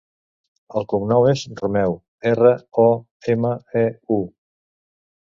El cognom és Romeu: erra, o, ema, e, u.